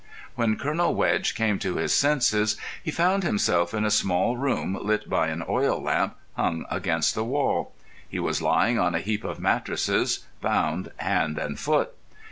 When Colonel Wedge came to his senses he found himself in a small room lit by an oil lamp hung against the wall. He was lying on a heap of mattresses, bound hand and foot.